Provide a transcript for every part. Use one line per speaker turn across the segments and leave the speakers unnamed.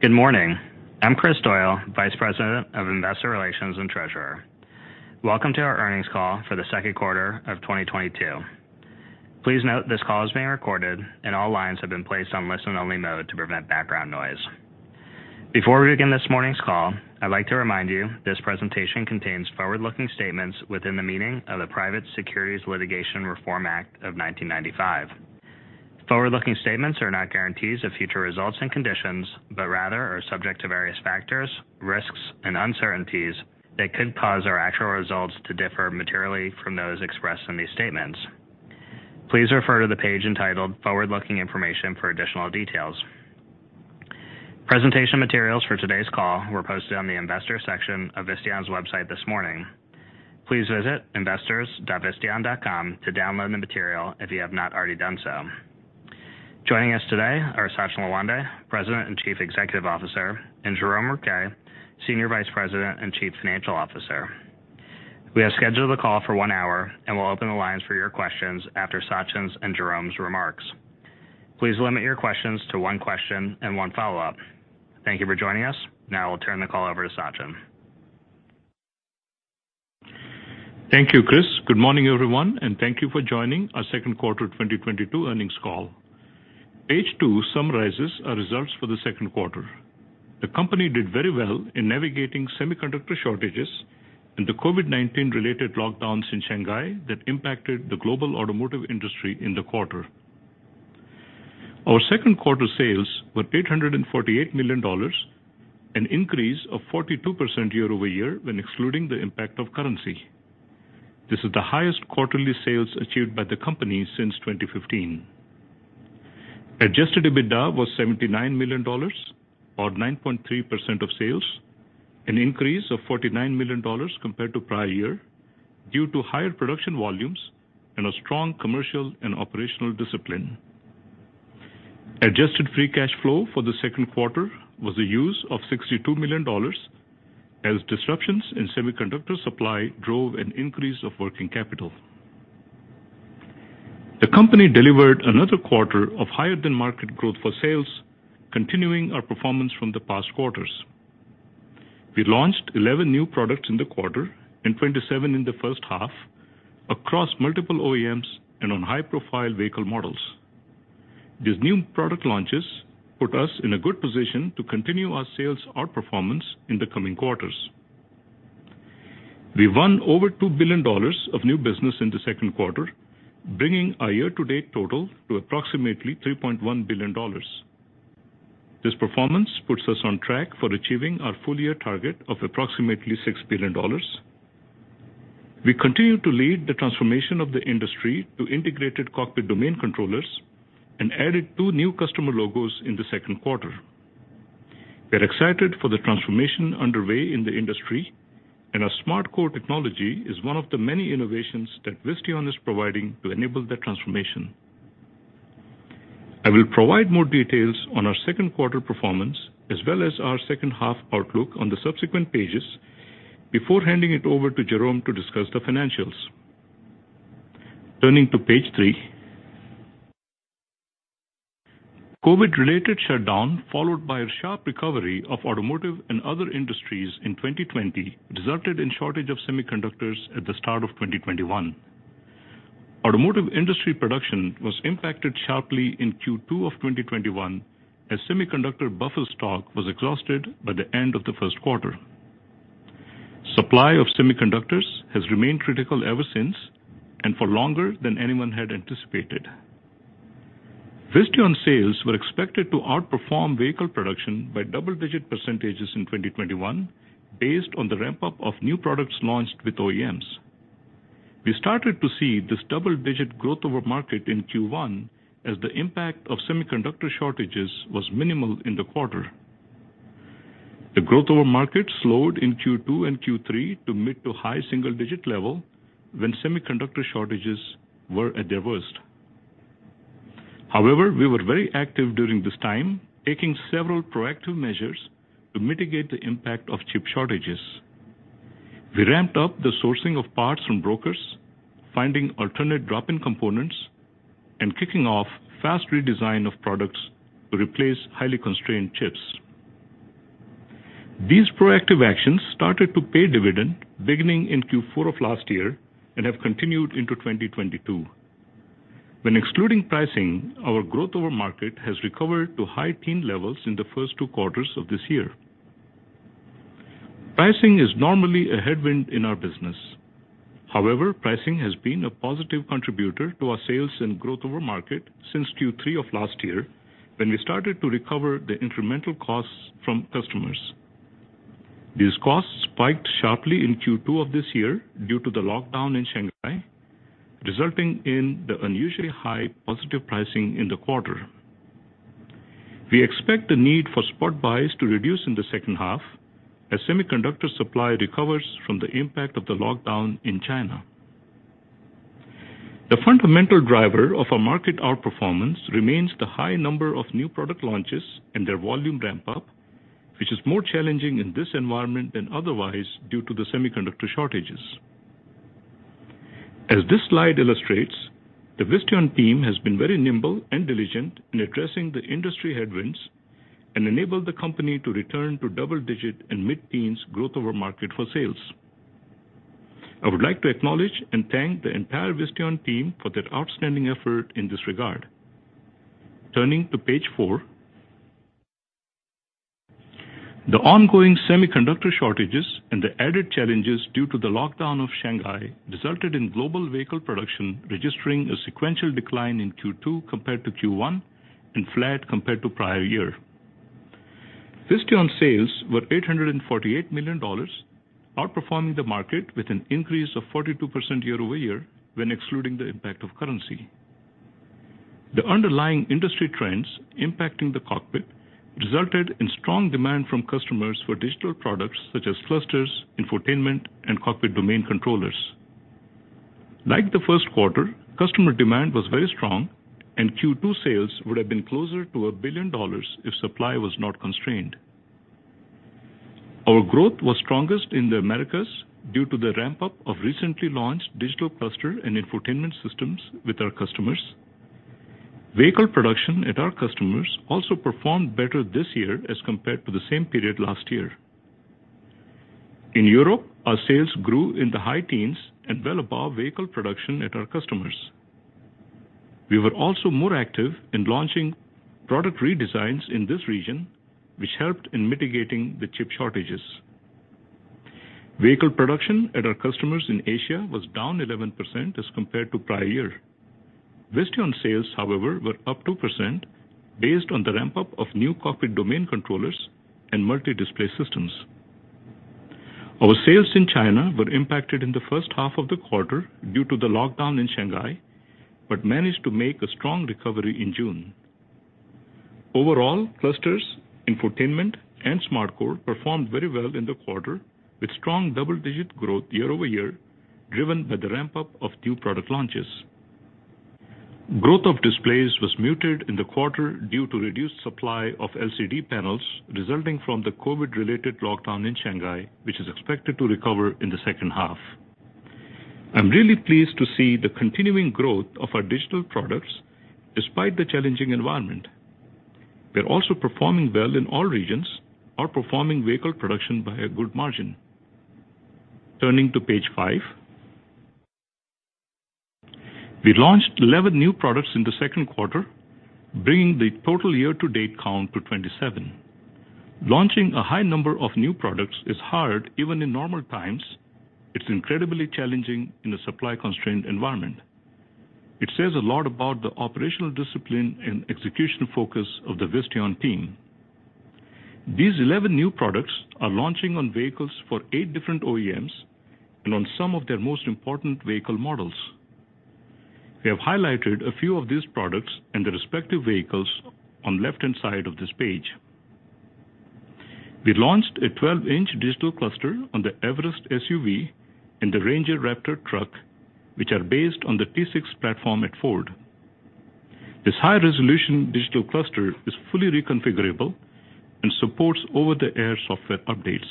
Good morning. I'm Kris Doyle, Vice President of Investor Relations and Treasurer. Welcome to our earnings call for the Q2 of 2022. Please note this call is being recorded, and all lines have been placed on listen-only mode to prevent background noise. Before we begin this morning's call, I'd like to remind you this presentation contains forward-looking statements within the meaning of the Private Securities Litigation Reform Act of 1995. Forward-looking statements are not guarantees of future results and conditions, but rather are subject to various factors, risks, and uncertainties that could cause our actual results to differ materially from those expressed in these statements. Please refer to the page entitled Forward-Looking Information for additional details. Presentation materials for today's call were posted on the investor section of Visteon's website this morning. Please visit investors.visteon.com to download the material if you have not already done so. Joining us today are Sachin Lawande, President and Chief Executive Officer, and Jerome Rouquet, Senior Vice President and Chief Financial Officer. We have scheduled the call for one hour and will open the lines for your questions after Sachin's and Rouquet's remarks. Please limit your questions to one question and one follow-up. Thank you for joining us. Now I'll turn the call over to Sachin.
Thank you, Kris. Good morning, everyone, and thank you for joining our Q2 2022 earnings call. Page two summarizes our results for the Q2. The company did very well in navigating semiconductor shortages and the COVID-19 related lockdowns in Shanghai that impacted the global automotive industry in the quarter. Our Q2 sales were $848 million, an increase of 42% year-over-year when excluding the impact of currency. This is the highest quarterly sales achieved by the company since 2015. Adjusted EBITDA was $79 million or 9.3% of sales, an increase of $49 million compared to prior year due to higher production volumes and a strong commercial and operational discipline. Adjusted free cash flow for the Q2 was a use of $62 million as disruptions in semiconductor supply drove an increase of working capital. The company delivered another quarter of higher than market growth for sales, continuing our performance from the past quarters. We launched 11 new products in the quarter and 27 in the first half across multiple OEMs and on high-profile vehicle models. These new product launches put us in a good position to continue our sales outperformance in the coming quarters. We won over $2 billion of new business in the Q2, bringing our year-to-date total to approximately $3.1 billion. This performance puts us on track for achieving our full year target of approximately $6 billion. We continue to lead the transformation of the industry to integrated cockpit domain controllers and added two new customer logos in the Q2. We are excited for the transformation underway in the industry, and our SmartCore technology is one of the many innovations that Visteon is providing to enable that transformation. I will provide more details on our Q2 performance as well as our second half outlook on the subsequent pages before handing it over to Jerome to discuss the financials. Turning to page three. COVID-related shutdown followed by a sharp recovery of automotive and other industries in 2020 resulted in shortage of semiconductors at the start of 2021. Automotive industry production was impacted sharply in Q2 of 2021 as semiconductor buffer stock was exhausted by the end of the Q1. Supply of semiconductors has remained critical ever since and for longer than anyone had anticipated. Visteon sales were expected to outperform vehicle production by double-digit percentages in 2021 based on the ramp-up of new products launched with OEMs. We started to see this double-digit growth over market in Q1 as the impact of semiconductor shortages was minimal in the quarter. The growth over market slowed in Q2 and Q3 to mid to high single digit level when semiconductor shortages were at their worst. However, we were very active during this time, taking several proactive measures to mitigate the impact of chip shortages. We ramped up the sourcing of parts from brokers, finding alternate drop-in components, and kicking off fast redesign of products to replace highly constrained chips. These proactive actions started to pay dividend beginning in Q4 of last year and have continued into 2022. When excluding pricing, our growth over market has recovered to high teen levels in the first two quarters of this year. Pricing is normally a headwind in our business. However, pricing has been a positive contributor to our sales and growth over market since Q3 of last year when we started to recover the incremental costs from customers. These costs spiked sharply in Q2 of this year due to the lockdown in Shanghai, resulting in the unusually high positive pricing in the quarter. We expect the need for spot buys to reduce in the second half as semiconductor supply recovers from the impact of the lockdown in China. The fundamental driver of our market outperformance remains the high number of new product launches and their volume ramp up, which is more challenging in this environment than otherwise due to the semiconductor shortages. As this slide illustrates, the Visteon team has been very nimble and diligent in addressing the industry headwinds and enabled the company to return to double-digit and mid-teens growth over market for sales. I would like to acknowledge and thank the entire Visteon team for their outstanding effort in this regard. Turning to page four. The ongoing semiconductor shortages and the added challenges due to the lockdown of Shanghai resulted in global vehicle production registering a sequential decline in Q2 compared to Q1 and flat compared to prior year. Visteon sales were $848 million, outperforming the market with an increase of 42% year-over-year when excluding the impact of currency. The underlying industry trends impacting the cockpit resulted in strong demand from customers for digital products such as clusters, infotainment, and cockpit domain controllers. Like the Q1, customer demand was very strong and Q2 sales would have been closer to $1 billion if supply was not constrained. Our growth was strongest in the Americas due to the ramp up of recently launched digital cluster and infotainment systems with our customers. Vehicle production at our customers also performed better this year as compared to the same period last year. In Europe, our sales grew in the high teens and well above vehicle production at our customers. We were also more active in launching product redesigns in this region, which helped in mitigating the chip shortages. Vehicle production at our customers in Asia was down 11% as compared to prior year. Visteon sales, however, were up 2% based on the ramp up of new cockpit domain controllers and multi-display systems. Our sales in China were impacted in the first half of the quarter due to the lockdown in Shanghai, but managed to make a strong recovery in June. Overall, clusters, infotainment, and SmartCore performed very well in the quarter, with strong double-digit growth year-over-year, driven by the ramp up of new product launches. Growth of displays was muted in the quarter due to reduced supply of LCD panels resulting from the COVID-19-related lockdown in Shanghai, which is expected to recover in the second half. I'm really pleased to see the continuing growth of our digital products despite the challenging environment. We're also performing well in all regions, outperforming vehicle production by a good margin. Turning to page five. We launched 11 new products in the Q2, bringing the total year to date count to 27. Launching a high number of new products is hard even in normal times. It's incredibly challenging in a supply constrained environment. It says a lot about the operational discipline and execution focus of the Visteon team. These 11 new products are launching on vehicles for eight different OEMs and on some of their most important vehicle models. We have highlighted a few of these products and their respective vehicles on left-hand side of this page. We launched a 12-inch digital cluster on the Everest SUV and the Ranger Raptor truck, which are based on the T6 platform at Ford. This high resolution digital cluster is fully reconfigurable and supports over the air software updates.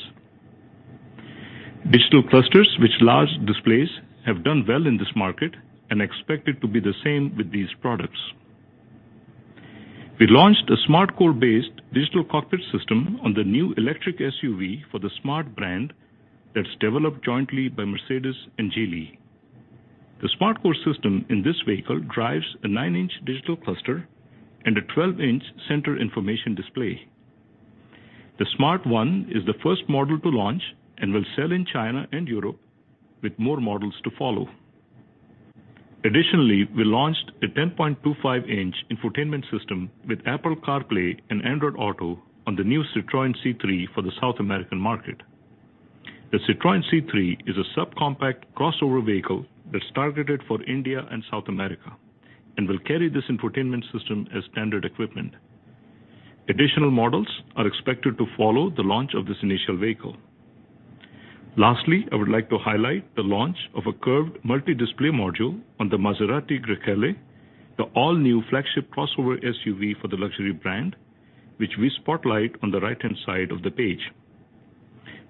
Digital clusters with large displays have done well in this market and expected to be the same with these products. We launched a SmartCore-based digital cockpit system on the new electric SUV for the Smart brand that's developed jointly by Mercedes-Benz and Geely. The SmartCore system in this vehicle drives a 9-inch digital cluster and a 12-inch center information display. The Smart #1 is the first model to launch and will sell in China and Europe with more models to follow. Additionally, we launched a 10.25-inch infotainment system with Apple CarPlay and Android Auto on the new Citroën C3 for the South American market. The Citroën C3 is a subcompact crossover vehicle that's targeted for India and South America and will carry this infotainment system as standard equipment. Additional models are expected to follow the launch of this initial vehicle. Lastly, I would like to highlight the launch of a curved multi-display module on the Maserati Grecale, the all-new flagship crossover SUV for the luxury brand, which we spotlight on the right-hand side of the page.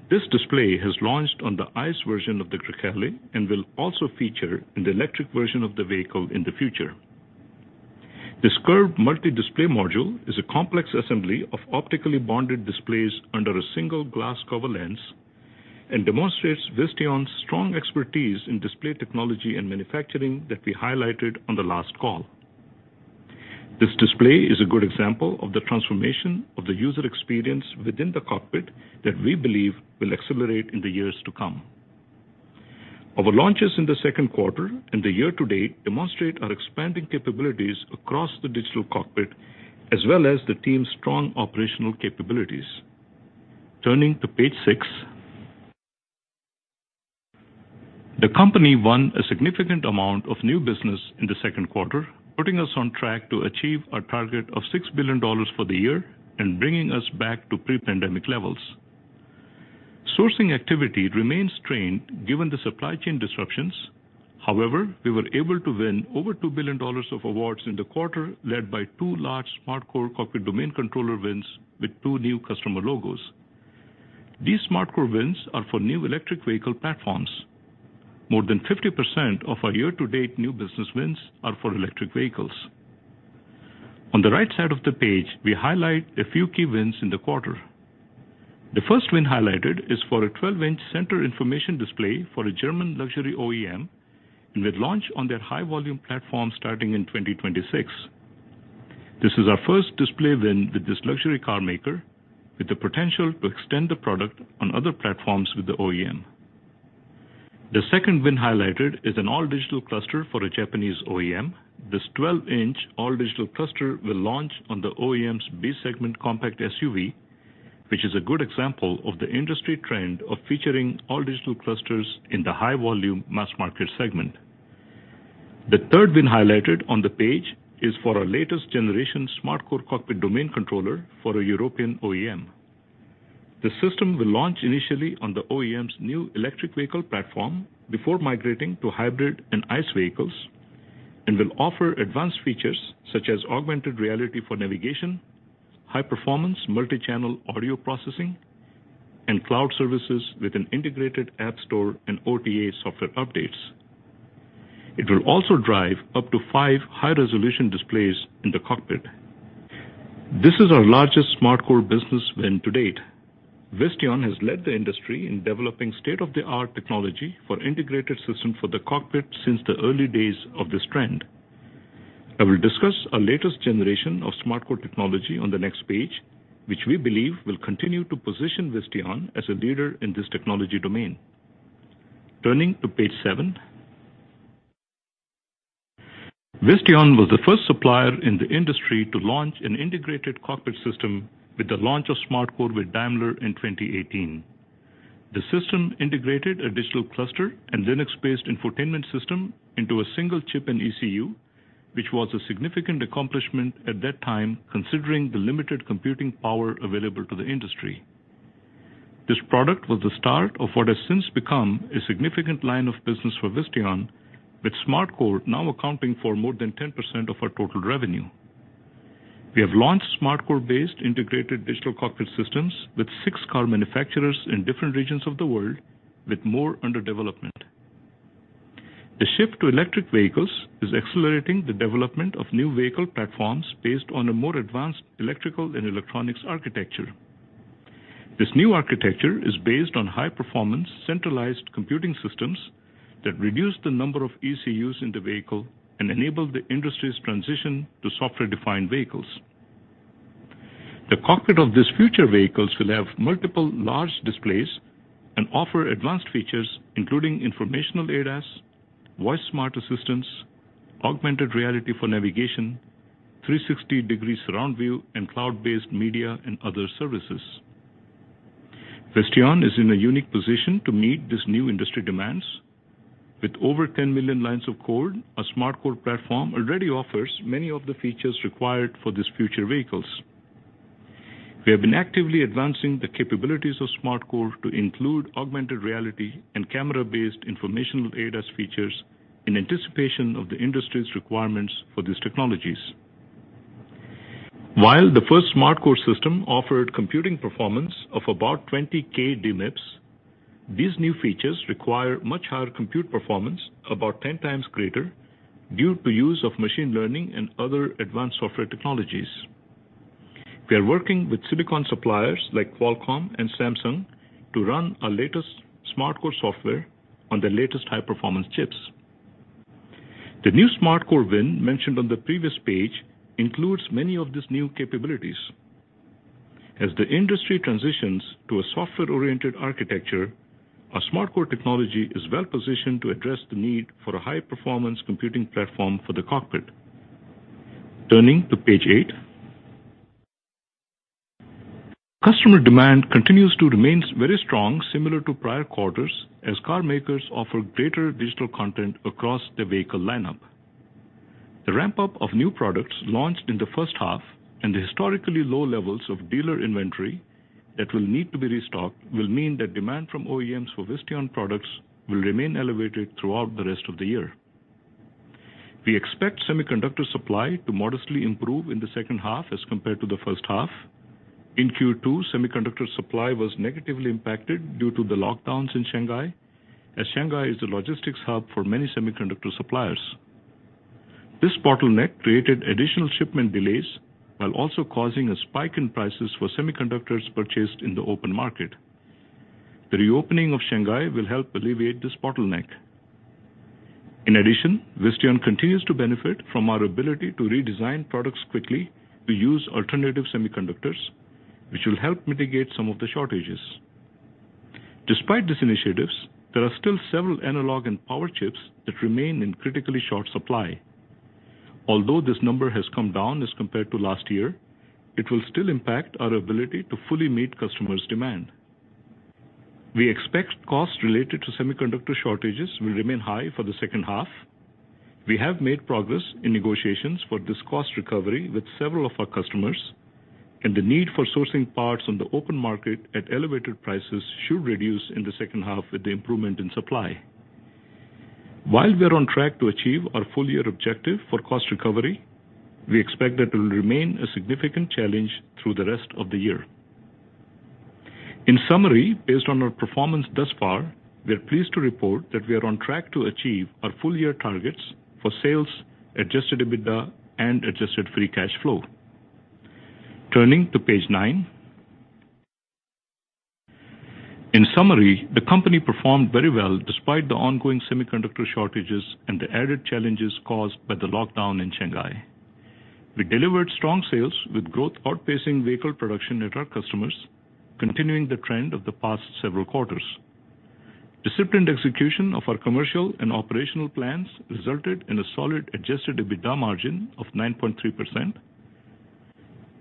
This display has launched on the ICE version of the Grecale and will also feature in the electric version of the vehicle in the future. This curved multi-display module is a complex assembly of optically bonded displays under a single glass cover lens and demonstrates Visteon's strong expertise in display technology and manufacturing that we highlighted on the last call. This display is a good example of the transformation of the user experience within the cockpit that we believe will accelerate in the years to come. Our launches in the Q2 and the year to date demonstrate our expanding capabilities across the digital cockpit, as well as the team's strong operational capabilities. Turning to page six. The company won a significant amount of new business in the Q2, putting us on track to achieve our target of $6 billion for the year and bringing us back to pre-pandemic levels. Sourcing activity remains strained given the supply chain disruptions. However, we were able to win over $2 billion of awards in the quarter, led by two large SmartCore cockpit domain controller wins with two new customer logos. These SmartCore wins are for new electric vehicle platforms. More than 50% of our year-to-date new business wins are for electric vehicles. On the right side of the page, we highlight a few key wins in the quarter. The first win highlighted is for a 12-inch center information display for a German luxury OEM, and will launch on their high volume platform starting in 2026. This is our first display win with this luxury car maker, with the potential to extend the product on other platforms with the OEM. The second win highlighted is an all-digital cluster for a Japanese OEM. This 12-inch all-digital cluster will launch on the OEM's B segment compact SUV, which is a good example of the industry trend of featuring all-digital clusters in the high-volume mass market segment. The third win highlighted on the page is for our latest generation SmartCore cockpit domain controller for a European OEM. The system will launch initially on the OEM's new electric vehicle platform before migrating to hybrid and ICE vehicles, and will offer advanced features such as augmented reality for navigation, high-performance multi-channel audio processing, and cloud services with an integrated app store and OTA software updates. It will also drive up to five high-resolution displays in the cockpit. This is our largest SmartCore business win to date. Visteon has led the industry in developing state-of-the-art technology for integrated system for the cockpit since the early days of this trend. I will discuss our latest generation of SmartCore technology on the next page, which we believe will continue to position Visteon as a leader in this technology domain. Turning to page seven. Visteon was the first supplier in the industry to launch an integrated cockpit system with the launch of SmartCore with Daimler in 2018. The system integrated a digital cluster and Linux-based infotainment system into a single chip and ECU, which was a significant accomplishment at that time, considering the limited computing power available to the industry. This product was the start of what has since become a significant line of business for Visteon, with SmartCore now accounting for more than 10% of our total revenue. We have launched SmartCore-based integrated digital cockpit systems with six car manufacturers in different regions of the world, with more under development. The shift to electric vehicles is accelerating the development of new vehicle platforms based on a more advanced electrical and electronics architecture. This new architecture is based on high-performance centralized computing systems that reduce the number of ECUs in the vehicle and enable the industry's transition to software-defined vehicles. The cockpit of these future vehicles will have multiple large displays and offer advanced features including informational ADAS, voice smart assistants, augmented reality for navigation, 360 degrees surround view, and cloud-based media and other services. Visteon is in a unique position to meet these new industry demands. With over 10 million lines of code, our SmartCore platform already offers many of the features required for these future vehicles. We have been actively advancing the capabilities of SmartCore to include augmented reality and camera-based informational ADAS features in anticipation of the industry's requirements for these technologies. While the first SmartCore system offered computing performance of about 20K DMIPS, these new features require much higher compute performance, about 10 times greater, due to use of machine learning and other advanced software technologies. We are working with silicon suppliers like Qualcomm and Samsung to run our latest SmartCore software on their latest high-performance chips. The new SmartCore win mentioned on the previous page includes many of these new capabilities. As the industry transitions to a software-oriented architecture, our SmartCore technology is well positioned to address the need for a high-performance computing platform for the cockpit. Turning to page eight. Customer demand continues to remain very strong, similar to prior quarters, as car makers offer greater digital content across their vehicle lineup. The ramp-up of new products launched in the first half and the historically low levels of dealer inventory that will need to be restocked will mean that demand from OEMs for Visteon products will remain elevated throughout the rest of the year. We expect semiconductor supply to modestly improve in the second half as compared to the first half. In Q2, semiconductor supply was negatively impacted due to the lockdowns in Shanghai, as Shanghai is the logistics hub for many semiconductor suppliers. This bottleneck created additional shipment delays while also causing a spike in prices for semiconductors purchased in the open market. The reopening of Shanghai will help alleviate this bottleneck. In addition, Visteon continues to benefit from our ability to redesign products quickly to use alternative semiconductors, which will help mitigate some of the shortages. Despite these initiatives, there are still several analog and power chips that remain in critically short supply. Although this number has come down as compared to last year, it will still impact our ability to fully meet customers' demand. We expect costs related to semiconductor shortages will remain high for the second half. We have made progress in negotiations for this cost recovery with several of our customers, and the need for sourcing parts on the open market at elevated prices should reduce in the second half with the improvement in supply. While we are on track to achieve our full year objective for cost recovery, we expect that it will remain a significant challenge through the rest of the year. In summary, based on our performance thus far, we are pleased to report that we are on track to achieve our full year targets for sales, adjusted EBITDA, and adjusted free cash flow. Turning to page nine. In summary, the company performed very well despite the ongoing semiconductor shortages and the added challenges caused by the lockdown in Shanghai. We delivered strong sales with growth outpacing vehicle production at our customers, continuing the trend of the past several quarters. Disciplined execution of our commercial and operational plans resulted in a solid adjusted EBITDA margin of 9.3%.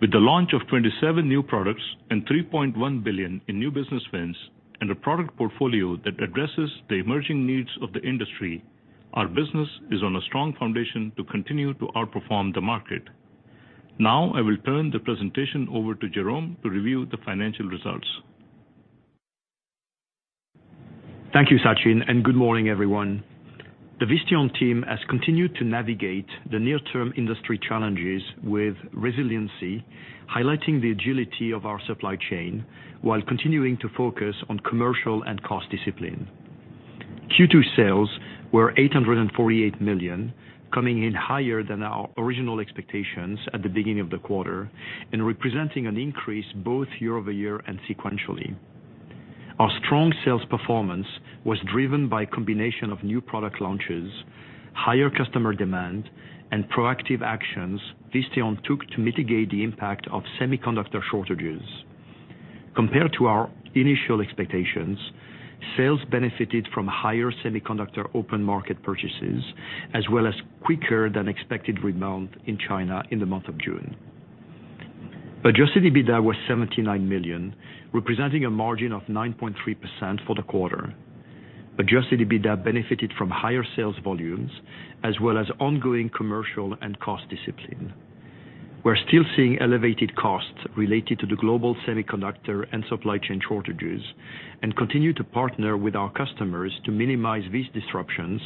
With the launch of 27 new products and $3.1 billion in new business wins, and a product portfolio that addresses the emerging needs of the industry, our business is on a strong foundation to continue to outperform the market. Now I will turn the presentation over to Jerome to review the financial results.
Thank you, Sachin, and good morning, everyone. The Visteon team has continued to navigate the near term industry challenges with resiliency, highlighting the agility of our supply chain while continuing to focus on commercial and cost discipline. Q2 sales were $848 million, coming in higher than our original expectations at the beginning of the quarter and representing an increase both year-over-year and sequentially. Our strong sales performance was driven by a combination of new product launches, higher customer demand, and proactive actions Visteon took to mitigate the impact of semiconductor shortages. Compared to our initial expectations, sales benefited from higher semiconductor open market purchases, as well as quicker than expected rebound in China in the month of June. Adjusted EBITDA was $79 million, representing a margin of 9.3% for the quarter. Adjusted EBITDA benefited from higher sales volumes as well as ongoing commercial and cost discipline. We're still seeing elevated costs related to the global semiconductor and supply chain shortages and continue to partner with our customers to minimize these disruptions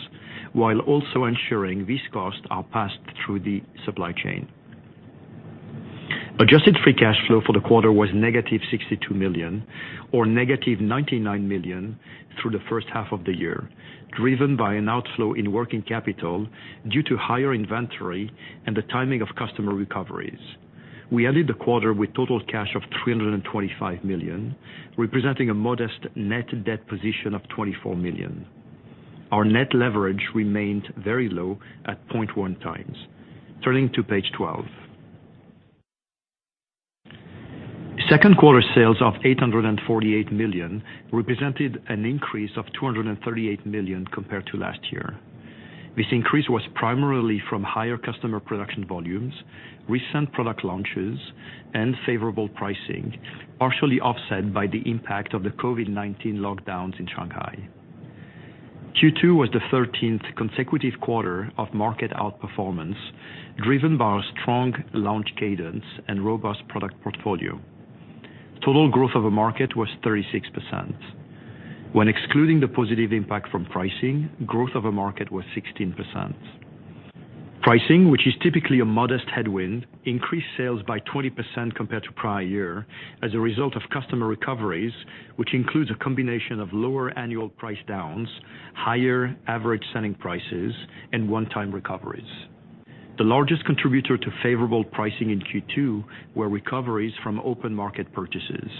while also ensuring these costs are passed through the supply chain. Adjusted free cash flow for the quarter was -$62 million, or -$99 million through the first half of the year, driven by an outflow in working capital due to higher inventory and the timing of customer recoveries. We ended the quarter with total cash of $325 million, representing a modest net debt position of $24 million. Our net leverage remained very low at 0.1x. Turning to page 12. Q2 sales of $848 million represented an increase of $238 million compared to last year. This increase was primarily from higher customer production volumes, recent product launches, and favorable pricing, partially offset by the impact of the COVID-19 lockdowns in Shanghai. Q2 was the 13th consecutive quarter of market outperformance, driven by our strong launch cadence and robust product portfolio. Total growth of a market was 36%. When excluding the positive impact from pricing, growth of a market was 16%. Pricing, which is typically a modest headwind, increased sales by 20% compared to prior year as a result of customer recoveries, which includes a combination of lower annual price downs, higher average selling prices, and one-time recoveries. The largest contributor to favorable pricing in Q2 were recoveries from open market purchases.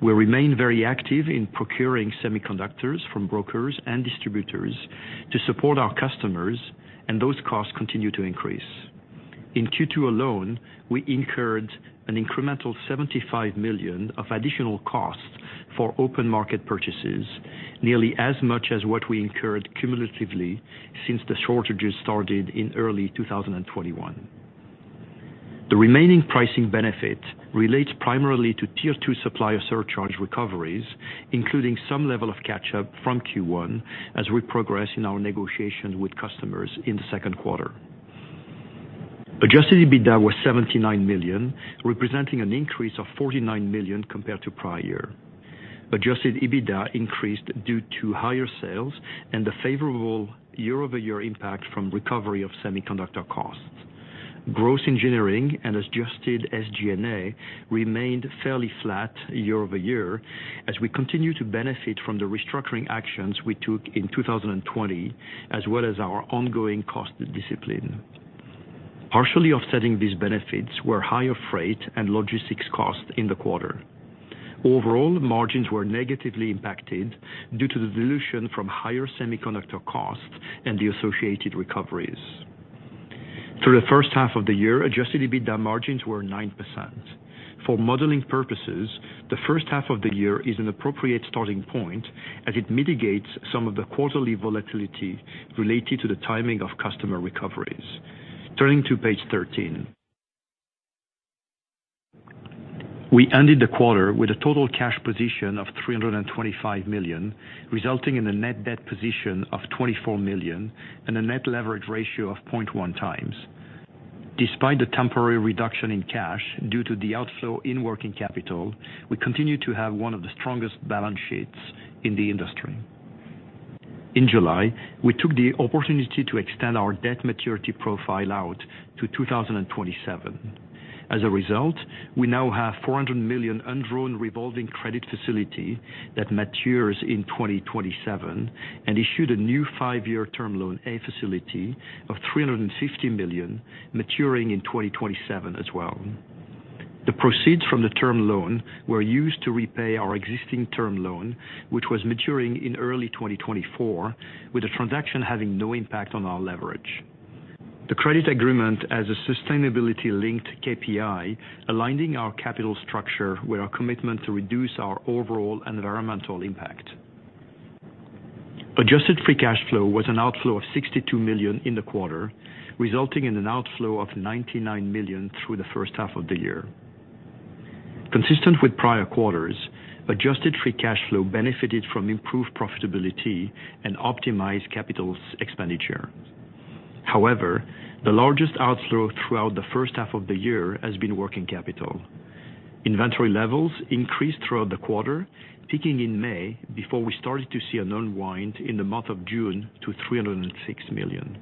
We remain very active in procuring semiconductors from brokers and distributors to support our customers, and those costs continue to increase. In Q2 alone, we incurred an incremental $75 million of additional costs for open market purchases, nearly as much as what we incurred cumulatively since the shortages started in early 2021. The remaining pricing benefit relates primarily to tier two supplier surcharge recoveries, including some level of catch up from Q1 as we progress in our negotiations with customers in the Q2. Adjusted EBITDA was $79 million, representing an increase of $49 million compared to prior year. Adjusted EBITDA increased due to higher sales and the favorable year-over-year impact from recovery of semiconductor costs. Gross engineering and adjusted SG&A remained fairly flat year-over-year as we continue to benefit from the restructuring actions we took in 2020, as well as our ongoing cost discipline. Partially offsetting these benefits were higher freight and logistics costs in the quarter. Overall, margins were negatively impacted due to the dilution from higher semiconductor costs and the associated recoveries. Through the first half of the year, adjusted EBITDA margins were 9%. For modeling purposes, the first half of the year is an appropriate starting point as it mitigates some of the quarterly volatility related to the timing of customer recoveries. Turning to page 13. We ended the quarter with a total cash position of $325 million, resulting in a net debt position of $24 million and a net leverage ratio of 0.1x. Despite the temporary reduction in cash due to the outflow in working capital, we continue to have one of the strongest balance sheets in the industry. In July, we took the opportunity to extend our debt maturity profile out to 2027. As a result, we now have $400 million undrawn revolving credit facility that matures in 2027 and issued a new five-year term loan, a facility of $350 million maturing in 2027 as well. The proceeds from the term loan were used to repay our existing term loan, which was maturing in early 2024, with the transaction having no impact on our leverage. The credit agreement has a sustainability-linked KPI, aligning our capital structure with our commitment to reduce our overall environmental impact. Adjusted free cash flow was an outflow of $62 million in the quarter, resulting in an outflow of $99 million through the first half of the year. Consistent with prior quarters, adjusted free cash flow benefited from improved profitability and optimized capital expenditure. However, the largest outflow throughout the first half of the year has been working capital. Inventory levels increased throughout the quarter, peaking in May before we started to see an unwind in the month of June to $306 million.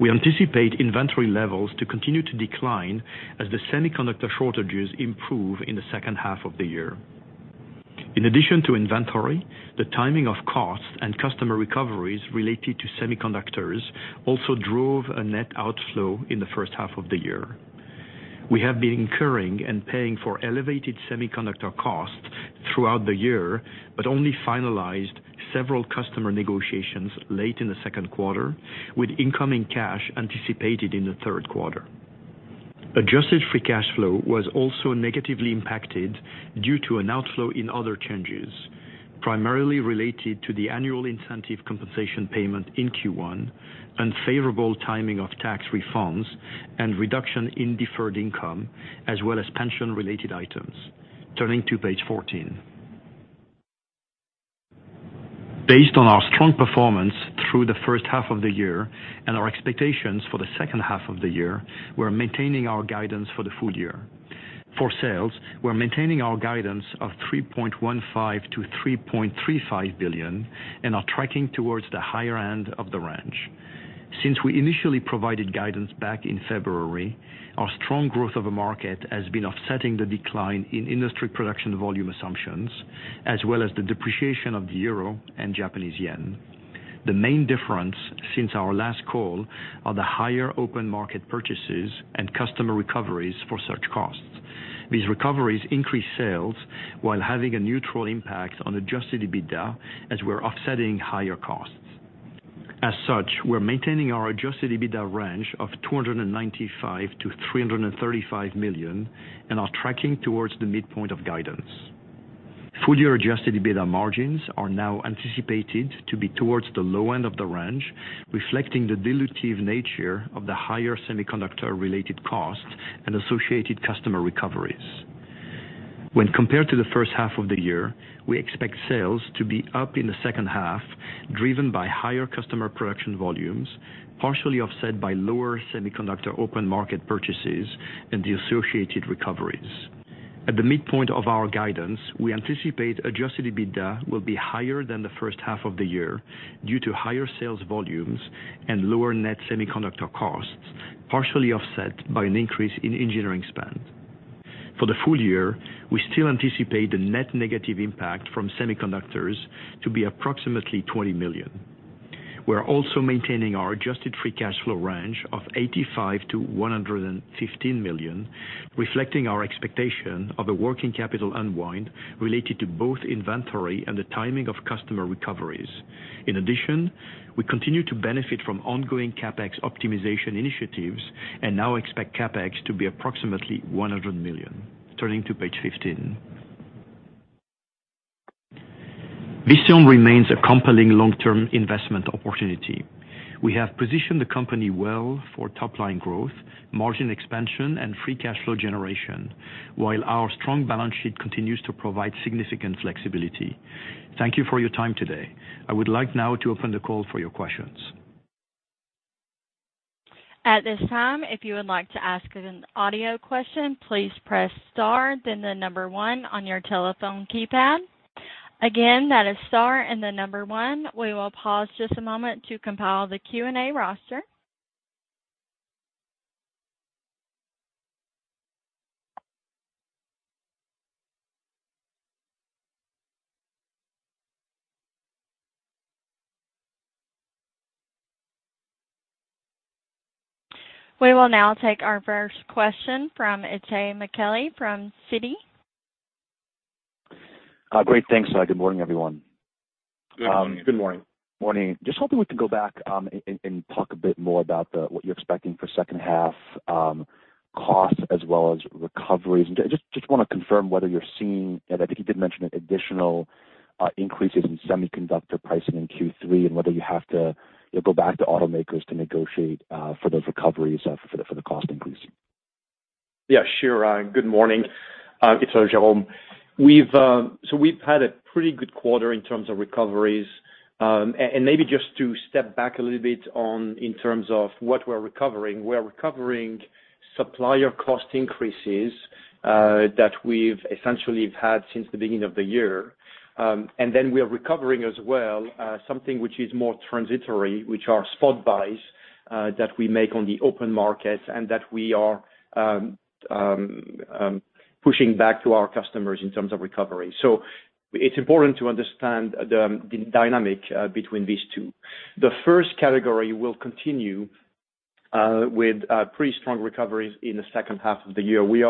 We anticipate inventory levels to continue to decline as the semiconductor shortages improve in the second half of the year. In addition to inventory, the timing of costs and customer recoveries related to semiconductors also drove a net outflow in the first half of the year. We have been incurring and paying for elevated semiconductor costs throughout the year, but only finalized several customer negotiations late in the Q2, with incoming cash anticipated in the Q3. Adjusted free cash flow was also negatively impacted due to an outflow in other changes, primarily related to the annual incentive compensation payment in Q1, unfavorable timing of tax refunds, and reduction in deferred income, as well as pension-related items. Turning to page 14. Based on our strong performance through the first half of the year and our expectations for the second half of the year, we're maintaining our guidance for the full year. For sales, we're maintaining our guidance of $3.15 billion to $3.35 billion and are tracking towards the higher end of the range. Since we initially provided guidance back in February, our strong above-market growth has been offsetting the decline in industry production volume assumptions, as well as the depreciation of the euro and Japanese yen. The main difference since our last call are the higher open market purchases and customer recoveries for such costs. These recoveries increase sales while having a neutral impact on adjusted EBITDA as we're offsetting higher costs. As such, we're maintaining our adjusted EBITDA range of $295 million to $335 million and are tracking towards the midpoint of guidance. Fully adjusted EBITDA margins are now anticipated to be towards the low end of the range, reflecting the dilutive nature of the higher semiconductor-related costs and associated customer recoveries. When compared to the first half of the year, we expect sales to be up in the second half, driven by higher customer production volumes, partially offset by lower semiconductor open market purchases and the associated recoveries. At the midpoint of our guidance, we anticipate adjusted EBITDA will be higher than the first half of the year due to higher sales volumes and lower net semiconductor costs, partially offset by an increase in engineering spend. For the full year, we still anticipate the net negative impact from semiconductors to be approximately $20 million. We are also maintaining our adjusted free cash flow range of $85 million to $115 million, reflecting our expectation of a working capital unwind related to both inventory and the timing of customer recoveries. In addition, we continue to benefit from ongoing CapEx optimization initiatives and now expect CapEx to be approximately $100 million. Turning to page 15. Visteon remains a compelling long-term investment opportunity. We have positioned the company well for top line growth, margin expansion, and free cash flow generation, while our strong balance sheet continues to provide significant flexibility. Thank you for your time today. I would like now to open the call for your questions.
At this time, if you would like to ask an audio question, please press star then the number one on your telephone keypad. Again, that is star and the number one. We will pause just a moment to compile the Q&A roster. We will now take our first question from Itay Michaeli from Citi.
Great, thanks. Good morning, everyone.
Good morning.
Morning. Just hoping we can go back and talk a bit more about what you're expecting for second half costs as well as recoveries. Just wanna confirm whether you're seeing, and I think you did mention additional increases in semiconductor pricing in Q3 and whether you have to go back to automakers to negotiate for those recoveries for the cost.
Yeah, sure. Good morning. It's Jerome. We've had a pretty good quarter in terms of recoveries. Maybe just to step back a little bit on in terms of what we're recovering, we're recovering supplier cost increases that we've essentially had since the beginning of the year. We are recovering as well something which is more transitory, which are spot buys that we make on the open markets and that we are pushing back to our customers in terms of recovery. It's important to understand the dynamic between these two. The first category will continue with pretty strong recoveries in the second half of the year. We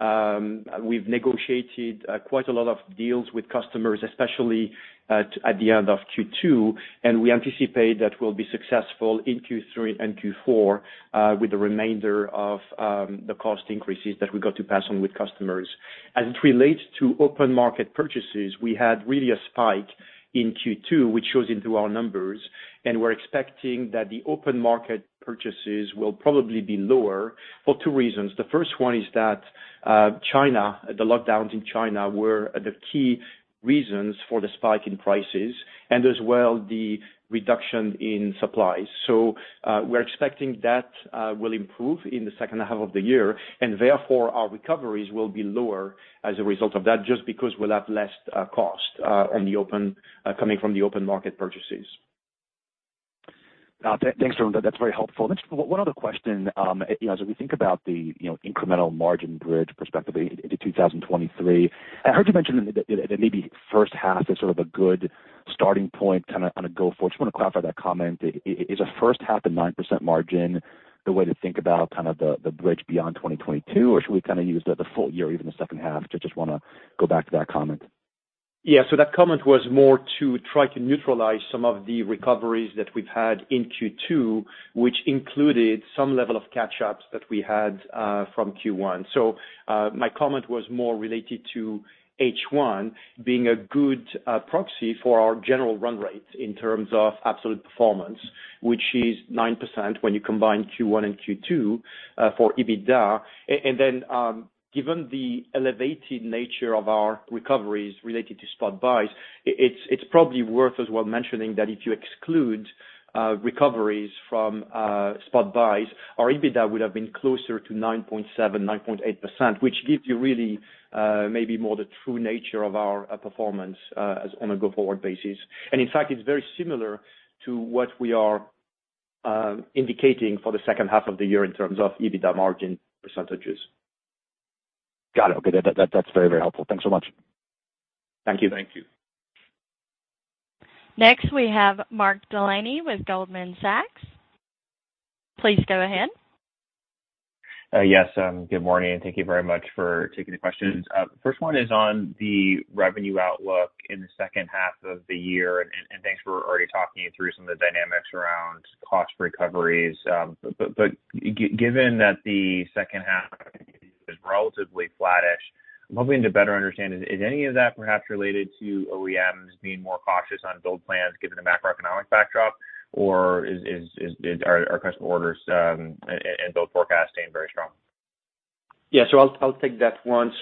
are, we've negotiated quite a lot of deals with customers, especially at the end of Q2, and we anticipate that we'll be successful in Q3 and Q4 with the remainder of the cost increases that we got to pass on with customers. As it relates to open market purchases, we had really a spike in Q2, which shows into our numbers, and we're expecting that the open market purchases will probably be lower for two reasons. The first one is that the lockdowns in China were the key reasons for the spike in prices and as well, the reduction in supply. We're expecting that will improve in the second half of the year, and therefore, our recoveries will be lower as a result of that, just because we'll have less cost coming from the open market purchases.
Thanks, Jerome. That's very helpful. Next, one other question. As we think about the, you know, incremental margin bridge perspective into 2023, I heard you mention that maybe first half is sort of a good starting point kinda on a go-forward. Just wanna clarify that comment. Is a first half a 9% margin the way to think about kind of the bridge beyond 2022, or should we kinda use the full year or even the second half? Just wanna go back to that comment.
Yeah. That comment was more to try to neutralize some of the recoveries that we've had in Q2, which included some level of catch-ups that we had from Q1. My comment was more related to H1 being a good proxy for our general run rates in terms of absolute performance, which is 9% when you combine Q1 and Q2 for EBITDA. And then, given the elevated nature of our recoveries related to spot buys, it's probably worth as well mentioning that if you exclude recoveries from spot buys, our EBITDA would have been closer to 9.7%, 9.8%, which gives you really maybe more the true nature of our performance as on a go-forward basis. In fact, it's very similar to what we are indicating for the second half of the year in terms of EBITDA margin percentages.
Got it. Okay. That's very, very helpful. Thanks so much.
Thank you.
Thank you.
Next, we have Mark Delaney with Goldman Sachs. Please go ahead.
Good morning, and thank you very much for taking the questions. First one is on the revenue outlook in the second half of the year, and thanks for already talking through some of the dynamics around cost recoveries. Given that the second half is relatively flattish, I'm hoping to better understand, is any of that perhaps related to OEMs being more cautious on build plans given the macroeconomic backdrop, or are customer orders and build forecast staying very strong?
Yeah. I'll take that one.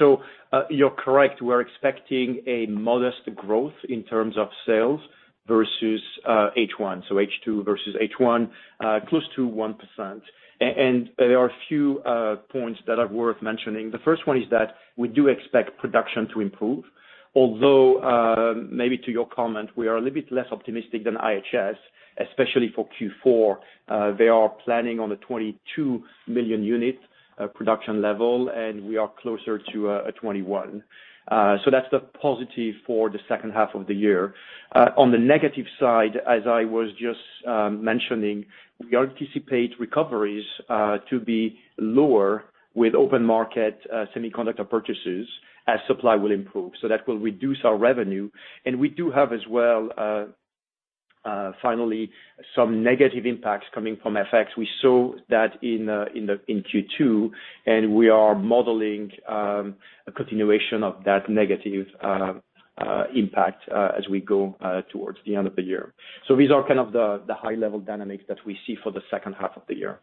You're correct. We're expecting a modest growth in terms of sales versus H1, H2 versus H1, close to 1%. There are a few points that are worth mentioning. The first one is that we do expect production to improve, although maybe to your comment, we are a little bit less optimistic than IHS, especially for Q4. They are planning on a 22 million-unit production level, and we are closer to a 21. That's the positive for the second half of the year. On the negative side, as I was just mentioning, we anticipate recoveries to be lower with open market semiconductor purchases as supply will improve. That will reduce our revenue. We do have as well, finally, some negative impacts coming from FX. We saw that in Q2, and we are modeling a continuation of that negative impact as we go towards the end of the year. These are kind of the high level dynamics that we see for the second half of the year.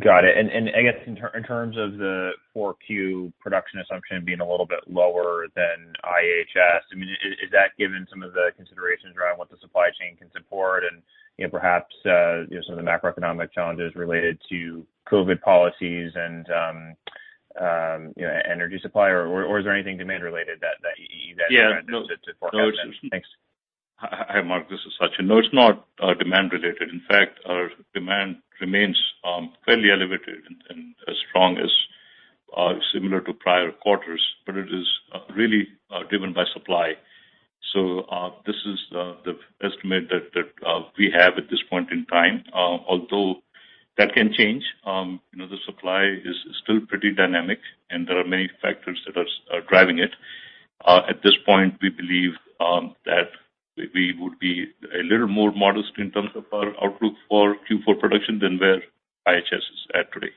Got it. I guess in terms of the 4Q production assumption being a little bit lower than IHS, I mean, is that given some of the considerations around what the supply chain can support and, you know, perhaps, you know, some of the macroeconomic challenges related to COVID policies and, you know, energy supply, or is there anything demand related that you guys?
Yeah.
to forecast then? Thanks.
Hi, Mark. This is Sachin. No, it's not demand related. In fact, our demand remains fairly elevated and as strong as similar to prior quarters, but it is really driven by supply. This is the estimate that we have at this point in time, although that can change. You know, the supply is still pretty dynamic and there are many factors that are driving it. At this point, we believe that we would be a little more modest in terms of our outlook for Q4 production than where IHS is at today.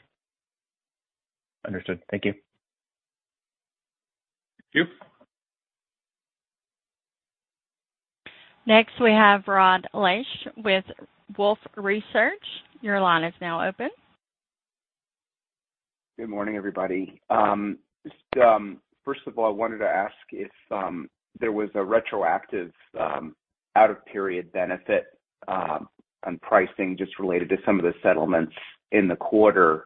Understood. Thank you.
Next we have Rod Lache with Wolfe Research. Your line is now open.
Good morning, everybody. First of all, I wanted to ask if there was a retroactive out of period benefit on pricing just related to some of the settlements in the quarter.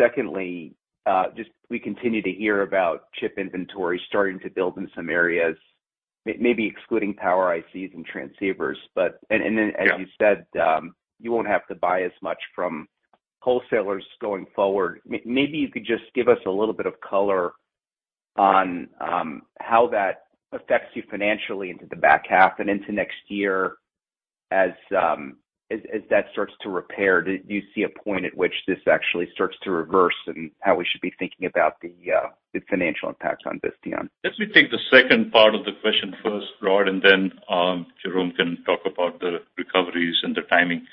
Secondly, we continue to hear about chip inventory starting to build in some areas, maybe excluding power ICs and transceivers.
Yeah
As you said, you won't have to buy as much from wholesalers going forward. Maybe you could just give us a little bit of color on how that affects you financially into the back half and into next year as that starts to repair. Do you see a point at which this actually starts to reverse and how we should be thinking about the financial impact on this, Jerome?
Let me take the second part of the question first, Rod, and then Jerome can talk about the recoveries and the timing.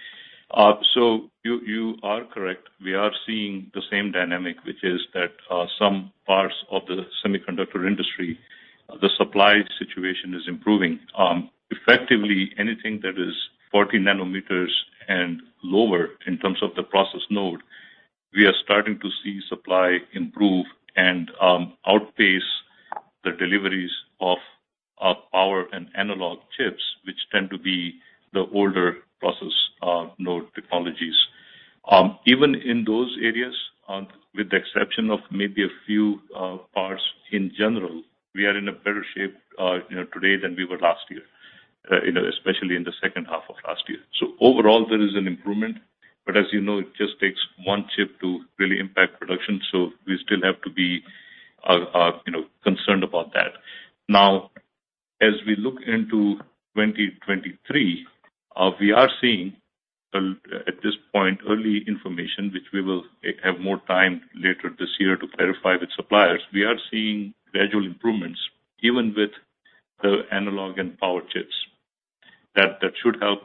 You are correct. We are seeing the same dynamic, which is that some parts of the semiconductor industry, the supply situation is improving. Effectively anything that is 40 nanometers and lower in terms of the process node, we are starting to see supply improve and outpace the deliveries of power and analog chips, which tend to be the older process node technologies. Even in those areas, with the exception of maybe a few parts in general, we are in a better shape, you know, today than we were last year, you know, especially in the second half of last year. Overall there is an improvement, but as you know, it just takes one chip to really impact production, so we still have to be, you know, concerned about that. Now, as we look into 2023, we are seeing, at this point, early information, which we will have more time later this year to clarify with suppliers. We are seeing gradual improvements, even with the analog and power chips, that should help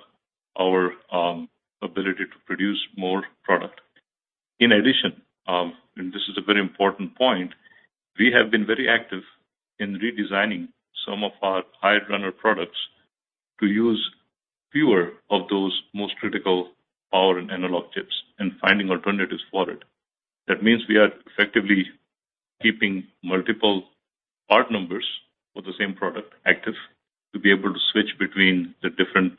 our ability to produce more product. In addition, and this is a very important point, we have been very active in redesigning some of our high runner products to use fewer of those most critical power and analog chips and finding alternatives for it. That means we are effectively keeping multiple part numbers for the same product active to be able to switch between the different,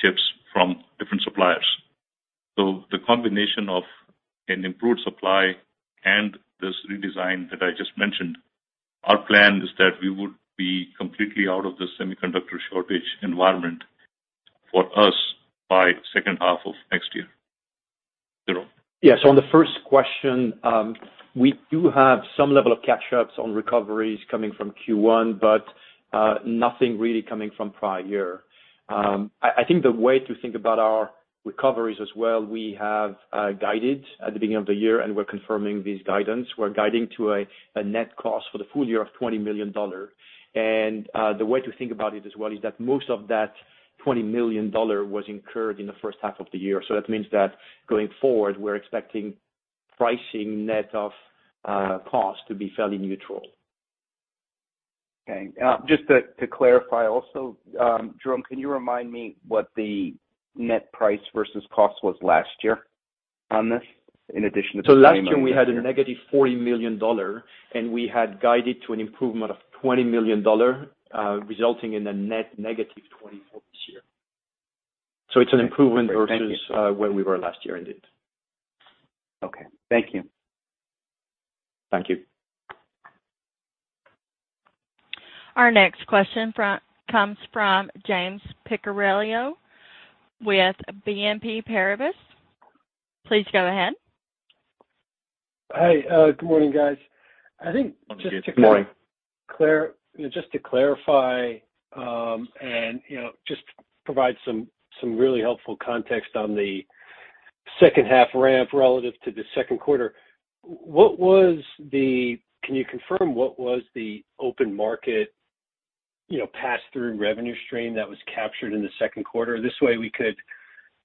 chips from different suppliers. The combination of an improved supply and this redesign that I just mentioned, our plan is that we would be completely out of the semiconductor shortage environment for us by second half of next year. Jerome?
Yes. On the first question, we do have some level of catch-ups on recoveries coming from Q1, but nothing really coming from prior year. I think the way to think about our recoveries as well, we have guided at the beginning of the year, and we're confirming this guidance. We're guiding to a net cost for the full year of $20 million. The way to think about it as well is that most of that $20 million was incurred in the first half of the year. That means that going forward, we're expecting pricing net of cost to be fairly neutral.
Okay. Just to clarify also, Jerome, can you remind me what the net price versus cost was last year on this in addition to?
Last year we had a negative $40 million, and we had guided to an improvement of $20 million, resulting in a net negative $20 million for this year. It's an improvement versus where we were last year, indeed.
Okay. Thank you.
Thank you.
Our next question comes from James Picariello with BNP Paribas. Please go ahead.
Hi. Good morning, guys.
Good morning.
Just to clarify, you know, just provide some really helpful context on the second half ramp relative to the Q2, what was the open market, you know, pass-through revenue stream that was captured in the Q2? This way we could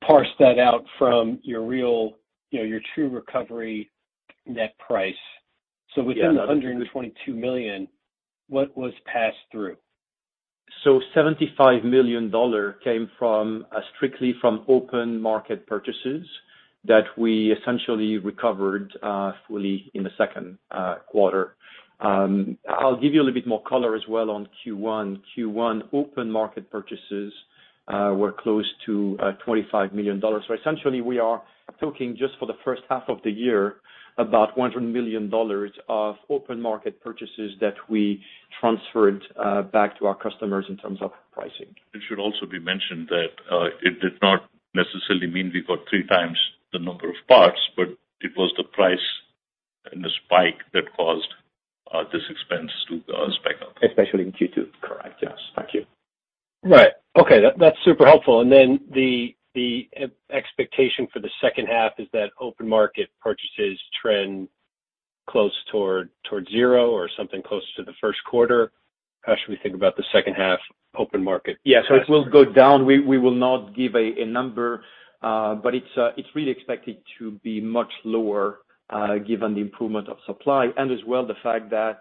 parse that out from your real, you know, your true recovery net price. Within the $122 million, what was passed through?
75 million dollars came from strictly from open market purchases that we essentially recovered fully in the Q2. I'll give you a little bit more color as well on Q1. Q1 open market purchases were close to 25 million dollars. Essentially we are talking just for the first half of the year about 100 million dollars of open market purchases that we transferred back to our customers in terms of pricing.
It should also be mentioned that it did not necessarily mean we got three times the number of parts, but it was the price and the spike that caused this expense to spike up.
Especially in Q2.
Correct. Yes.
Thank you.
Right. Okay. That's super helpful. The expectation for the second half is that open market purchases trend close toward zero or something close to the Q1. How should we think about the second half?
Open market.
Yeah. It will go down. We will not give a number, but it's really expected to be much lower, given the improvement of supply and as well, the fact that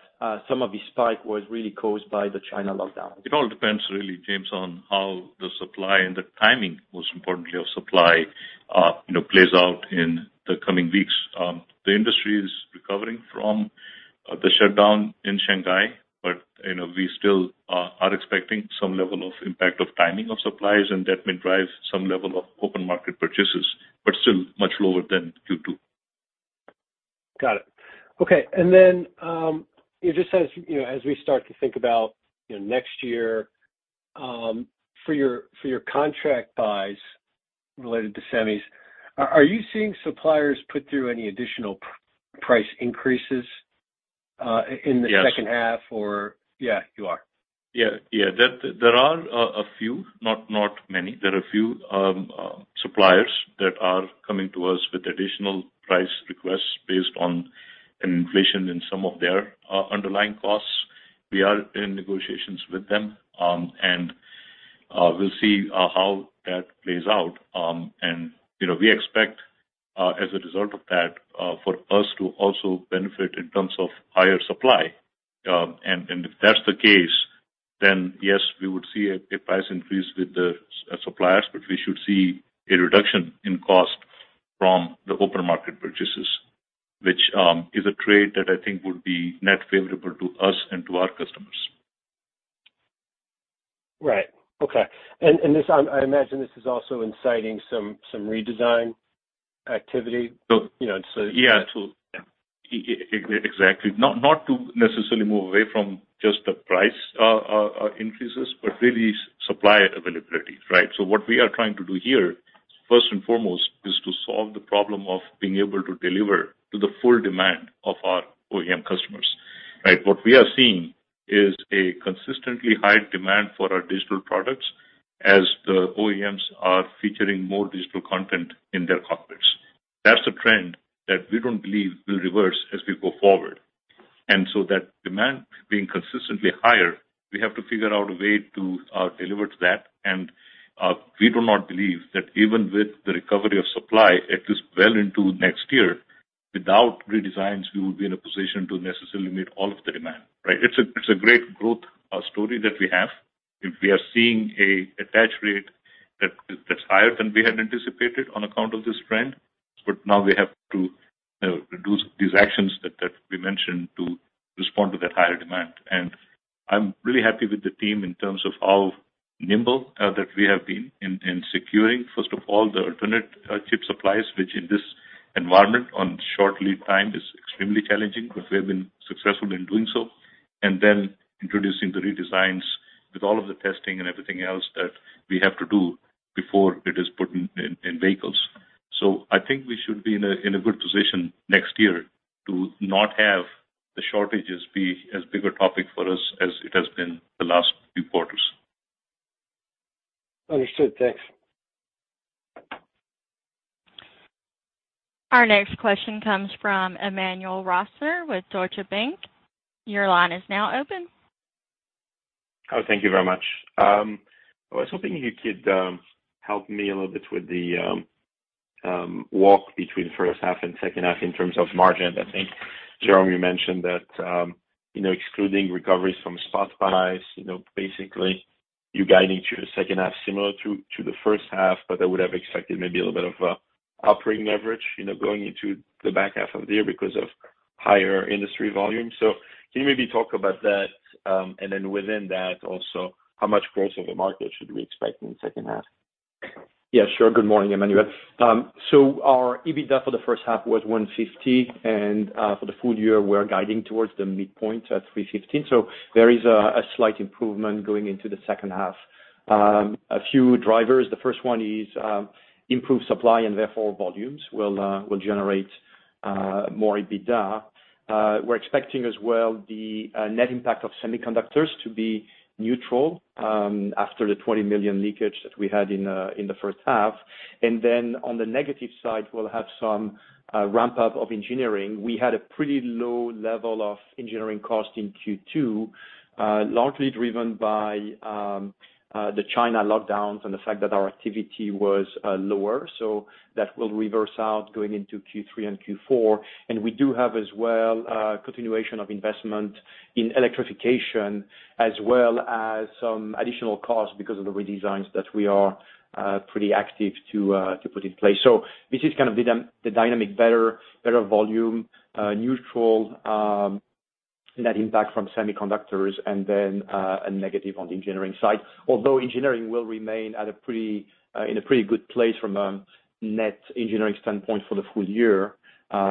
some of the spike was really caused by the China lockdown.
It all depends really, James, on how the supply and the timing, most importantly of supply, you know, plays out in the coming weeks. The industry is recovering from the shutdown in Shanghai, but, you know, we still are expecting some level of impact of timing of supplies, and that may drive some level of open market purchases, but still much lower than Q2.
Got it. Okay. Then, just as, you know, as we start to think about, you know, next year, for your contract buys related to semis, are you seeing suppliers put through any additional price increases in the second half or-
Yes.
Yeah, you are.
Yeah. There are a few, not many. There are a few suppliers that are coming to us with additional price requests based on an inflation in some of their underlying costs. We are in negotiations with them, and we'll see how that plays out. You know, we expect, as a result of that, for us to also benefit in terms of higher supply. If that's the case, then yes, we would see a price increase with the suppliers, but we should see a reduction in cost from the open market purchases, which is a trade that I think would be net favorable to us and to our customers.
Right. Okay. I imagine this is also inciting some redesign activity, you know, so.
Yeah. Exactly. Not to necessarily move away from just the price increases, but really supply availability, right? What we are trying to do here, first and foremost, is to solve the problem of being able to deliver to the full demand of our OEM customers, right? What we are seeing is a consistently high demand for our digital products as the OEMs are featuring more digital content in their cockpits. That's a trend that we don't believe will reverse as we go forward. That demand being consistently higher, we have to figure out a way to deliver to that. We do not believe that even with the recovery of supply, at least well into next year, without redesigns, we will be in a position to necessarily meet all of the demand, right? It's a great growth story that we have. If we are seeing an attach rate that is higher than we had anticipated on account of this trend, but now we have to, you know, do these actions that we mentioned to respond to that higher demand. I'm really happy with the team in terms of how nimble that we have been in securing, first of all, the alternate chip supplies, which in this environment on short lead time is extremely challenging, but we have been successful in doing so. Then introducing the redesigns with all of the testing and everything else that we have to do before it is put in vehicles. I think we should be in a good position next year to not have the shortages be as big a topic for us as it has been the last few quarters.
Understood. Thanks.
Our next question comes from Emmanuel Rosner with Deutsche Bank. Your line is now open.
Oh, thank you very much. I was hoping you could help me a little bit with the walk between first half and second half in terms of margin. I think, Jerome, you mentioned that, you know, excluding recoveries from spot buys, you know, basically you're guiding to the second half similar to the first half, but I would have expected maybe a little bit of operating leverage, you know, going into the back half of the year because of higher industry volume. Can you maybe talk about that? And then within that also, how much growth in the market should we expect in the second half?
Yeah, sure. Good morning, Emmanuel. Our EBITDA for the first half was $150 million, and for the full year, we're guiding towards the midpoint at $315 million. There is a slight improvement going into the second half. A few drivers. The first one is improved supply and therefore volumes will generate more EBITDA. We're expecting as well the net impact of semiconductors to be neutral after the $20 million leakage that we had in the first half. Then on the negative side, we'll have some ramp-up of engineering. We had a pretty low level of engineering cost in Q2, largely driven by the China lockdowns and the fact that our activity was lower. That will reverse out going into Q3 and Q4. We do have as well continuation of investment in electrification as well as some additional costs because of the redesigns that we are pretty active to put in place. This is kind of the dynamic better volume neutral net impact from semiconductors and then a negative on the engineering side. Although engineering will remain at a pretty good place from a net engineering standpoint for the full year.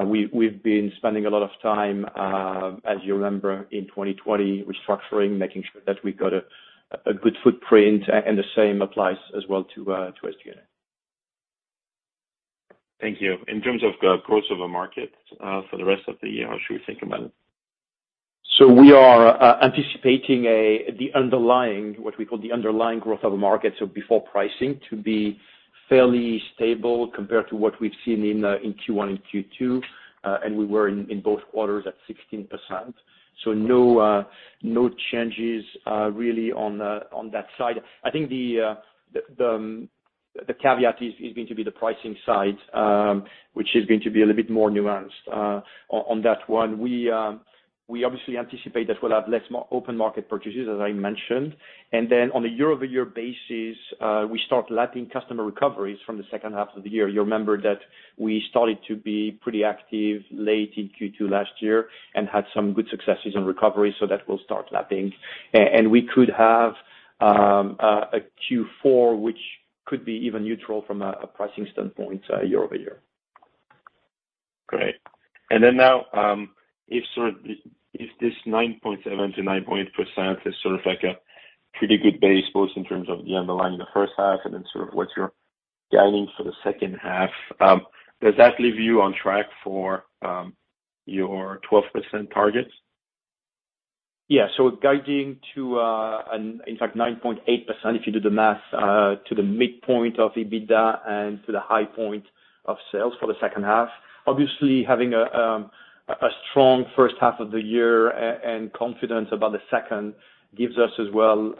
We've been spending a lot of time as you remember in 2020 restructuring making sure that we got a good footprint and the same applies as well to SG&A.
Thank you. In terms of the growth of the market, for the rest of the year, how should we think about it?
We are anticipating the underlying, what we call the underlying growth of the market, so before pricing, to be fairly stable compared to what we've seen in Q1 and Q2. We were in both quarters at 16%. No changes really on that side. I think the caveat is going to be the pricing side, which is going to be a little bit more nuanced on that one. We obviously anticipate that we'll have less open market purchases, as I mentioned. Then on a year-over-year basis, we start lapping customer recoveries from the second half of the year. You remember that we started to be pretty active late in Q2 last year and had some good successes in recovery, so that will start lapping. We could have a Q4, which could be even neutral from a pricing standpoint, year-over-year.
Great. Now, if sort of this 9.7%-9.8% is sort of like a pretty good base, both in terms of the underlying first half and then sort of what you're guiding for the second half, does that leave you on track for your 12% targets?
Yeah. Guiding to, in fact, 9.8%, if you do the math, to the midpoint of EBITDA and to the high point of sales for the second half, obviously having a strong first half of the year and confidence about the second gives us as well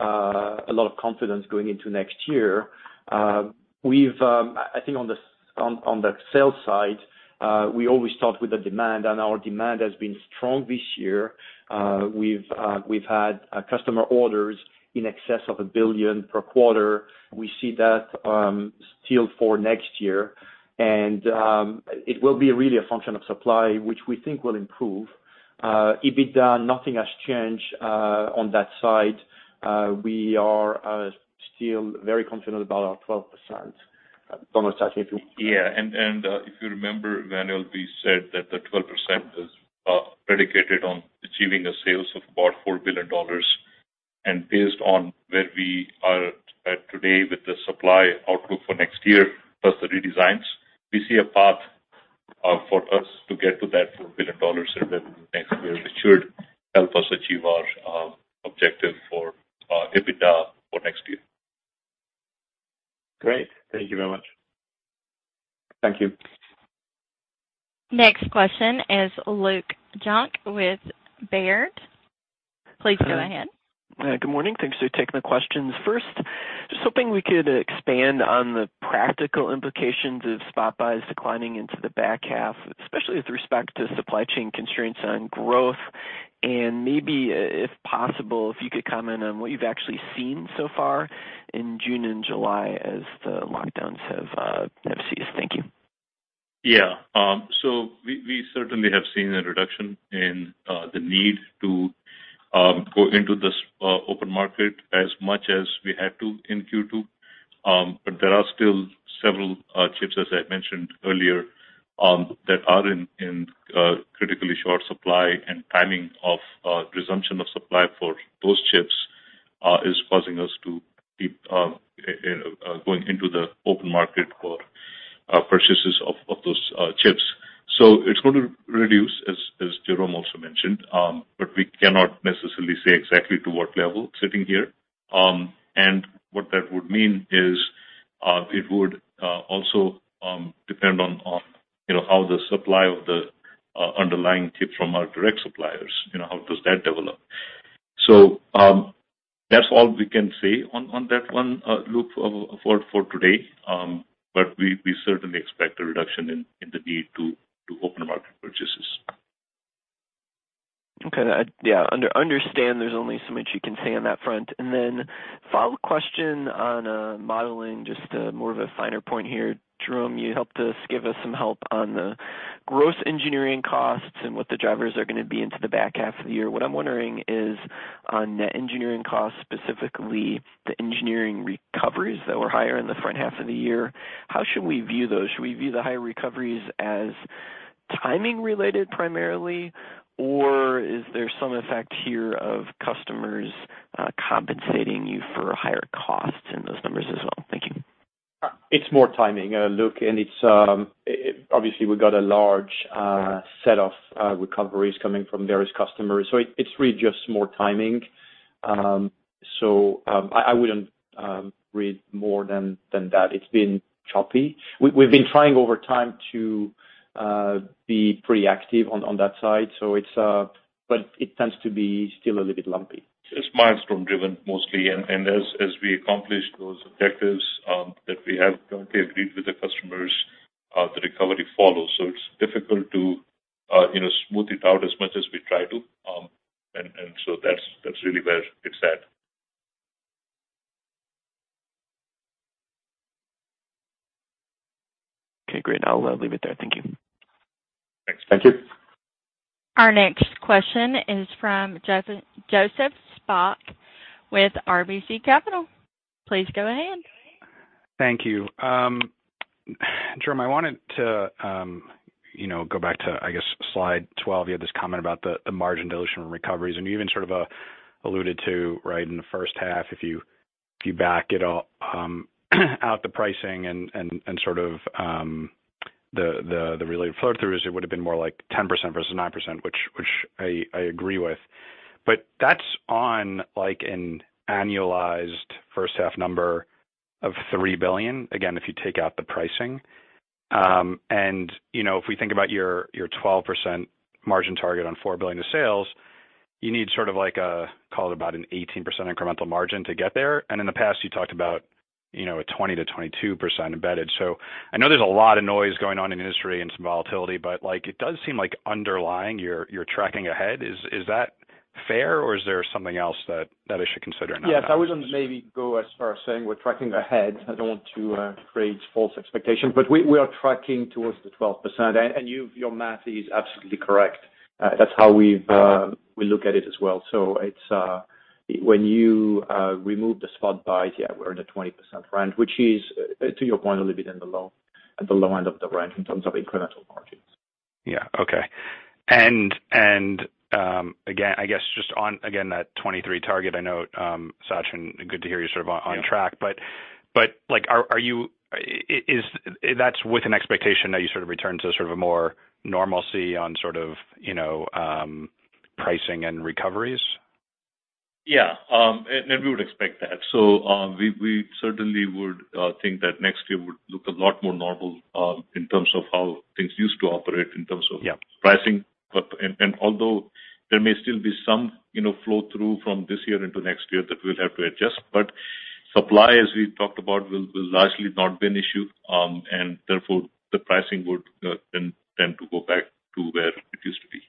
a lot of confidence going into next year. I think on the sales side, we always start with the demand, and our demand has been strong this year. We've had customer orders in excess of $1 billion per quarter. We see that still for next year. It will be really a function of supply, which we think will improve. EBITDA, nothing has changed on that side. We are still very confident about our 12%. Thomas, I think if you
Yeah. If you remember, Emmanuel, we said that the 12% is predicated on achieving a sales of about $4 billion. Based on where we are at today with the supply outlook for next year, plus the redesigns, we see a path for us to get to that $4 billion in revenue next year, which should help us achieve our objective for EBITDA for next year.
Great. Thank you very much.
Thank you.
Next question is Luke Junk with Baird. Please go ahead.
Good morning. Thanks for taking the questions. First, just hoping we could expand on the practical implications of spot buys declining into the back half, especially with respect to supply chain constraints on growth. Maybe if possible, if you could comment on what you've actually seen so far in June and July as the lockdowns have ceased. Thank you.
Yeah. We certainly have seen a reduction in the need to go into this open market as much as we had to in Q2. There are still several chips, as I mentioned earlier, that are in critically short supply and timing of resumption of supply for those chips is causing us to keep going into the open market for purchases of those chips. It's going to reduce as Jerome also mentioned, but we cannot necessarily say exactly to what level sitting here. What that would mean is it would also depend on, you know, how the supply of the underlying chip from our direct suppliers, you know, how does that develop. That's all we can say on that one, Luke, for today. We certainly expect a reduction in the need to open market purchases.
Okay. Yeah. Understand there's only so much you can say on that front. Then follow question on modeling, just more of a finer point here. Jerome, you helped us give us some help on the gross engineering costs and what the drivers are gonna be into the back half of the year. What I'm wondering is on net engineering costs, specifically the engineering recoveries that were higher in the front half of the year, how should we view those? Should we view the higher recoveries as timing related primarily, or is there some effect here of customers compensating you for higher costs in those numbers as well? Thank you.
It's more timing, Luke, and it's obviously we've got a large set of recoveries coming from various customers, so it's really just more timing. I wouldn't read more than that. It's been choppy. We've been trying over time to be pretty active on that side, but it tends to be still a little bit lumpy.
It's milestone-driven mostly, and as we accomplish those objectives that we have jointly agreed with the customers, the recovery follows. It's difficult to, you know, smooth it out as much as we try to. That's really where it's at.
Okay, great. I'll leave it there. Thank you.
Thanks.
Thank you.
Our next question is from Joseph Spak with RBC Capital. Please go ahead.
Thank you. Jerome, I wanted to, you know, go back to, I guess, slide 12. You had this comment about the margin dilution recoveries, and you even sort of alluded to right in the first half, if you back it all out the pricing and sort of the related flow through is it would have been more like 10% versus 9%, which I agree with. But that's on like an annualized first half number of $3 billion, again, if you take out the pricing. You know, if we think about your 12% margin target on $4 billion of sales, you need sort of like a call it about an 18% incremental margin to get there. In the past, you talked about, you know, a 20%-22% embedded. I know there's a lot of noise going on in the industry and some volatility, but, like, it does seem like underlying you're tracking ahead. Is that fair or is there something else that I should consider?
Yes. I wouldn't maybe go as far as saying we're tracking ahead. I don't want to create false expectations, but we are tracking towards the 12%. Your math is absolutely correct. That's how we look at it as well. It's when you remove the spot buys, yeah, we're in a 20% range, which is, to your point, a little bit in the low, at the low end of the range in terms of incremental margins.
Again, I guess just on that 2023 target, I know, Sachin, good to hear you're sort of on track. Like, that's with an expectation that you sort of return to sort of a more normalcy on sort of, you know, pricing and recoveries.
Yeah. We would expect that. We certainly would think that next year would look a lot more normal, in terms of how things used to operate.
Yeah ...
pricing. Although there may still be some, you know, flow through from this year into next year that we'll have to adjust. Supply, as we talked about, will largely not be an issue, and therefore the pricing would then tend to go back to where it used to be.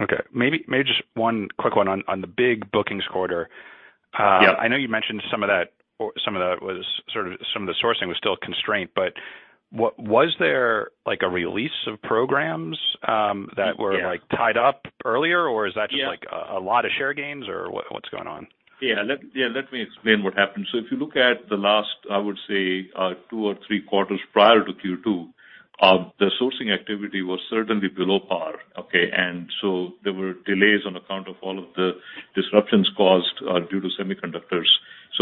Okay. Maybe just one quick one on the big bookings quarter.
Yeah.
I know you mentioned some of that, some of the sourcing was still a constraint. Was there like a release of programs that were like tied up earlier, or is that just like a lot of share gains or what's going on?
Yeah. Let me explain what happened. If you look at the last, I would say, two or three quarters prior to Q2, the sourcing activity was certainly below par, okay? There were delays on account of all of the disruptions caused due to semiconductors.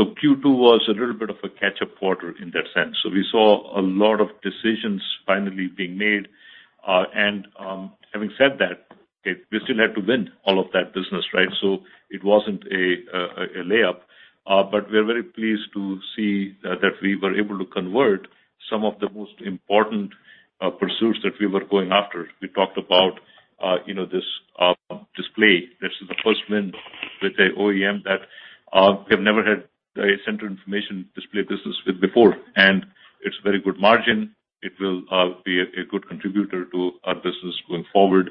Q2 was a little bit of a catch-up quarter in that sense. We saw a lot of decisions finally being made. Having said that, we still had to win all of that business, right? It wasn't a layup. But we're very pleased to see that we were able to convert some of the most important pursuits that we were going after. We talked about, you know, this display. This is the first win with an OEM that we have never had a central information display business with before. It's very good margin. It will be a good contributor to our business going forward.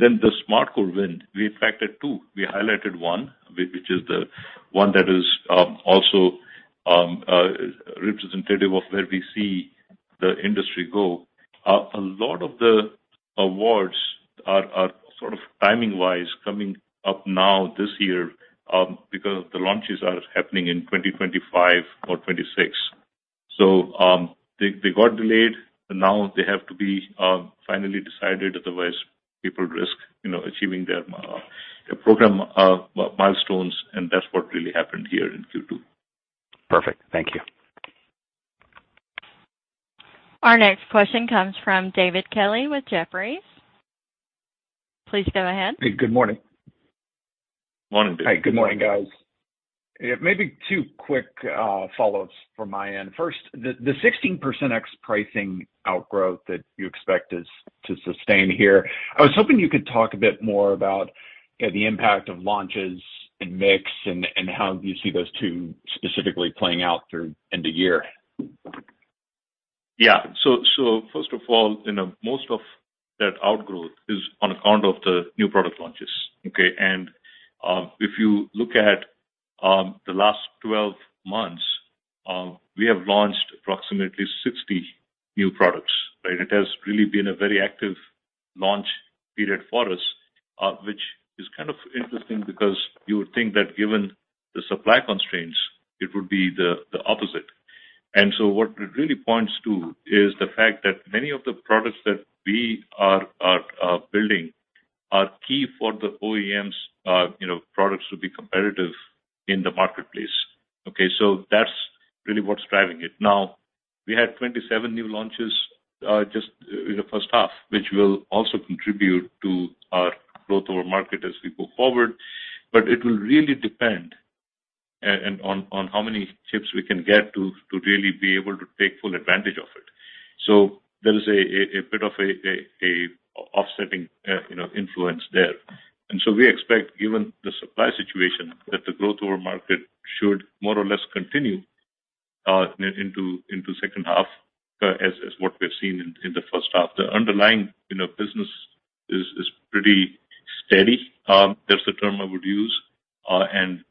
Then the SmartCore win, we had factored two. We highlighted one, which is the one that is also representative of where we see the industry go. A lot of the awards are sort of timing wise coming up now this year, because the launches are happening in 2025 or 2026. They got delayed. Now they have to be finally decided, otherwise people risk, you know, achieving their program milestones, and that's what really happened here in Q2.
Perfect. Thank you.
Our next question comes from David Kelley with Jefferies. Please go ahead.
Hey, good morning.
Morning, David.
Hi. Good morning, guys. Yeah, maybe two quick follows from my end. First, the 16% ex pricing outgrowth that you expect us to sustain here, I was hoping you could talk a bit more about the impact of launches and mix and how you see those two specifically playing out through end of year.
Yeah. So first of all, you know, most of that outgrowth is on account of the new product launches, okay? If you look at the last 12 months, we have launched approximately 60 new products. Right? It has really been a very active launch period for us, which is kind of interesting because you would think that given the supply constraints, it would be the opposite. What it really points to is the fact that many of the products that we are building are key for the OEMs', you know, products to be competitive in the marketplace. Okay, so that's really what's driving it. Now, we had 27 new launches just in the first half, which will also contribute to our growth over market as we go forward. It will really depend on how many chips we can get to really be able to take full advantage of it. There is a bit of an offsetting you know influence there. We expect, given the supply situation, that the growth over market should more or less continue into second half as what we've seen in the first half. The underlying you know business is pretty steady, that's the term I would use.